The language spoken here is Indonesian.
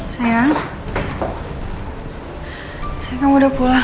sayang kamu udah pulang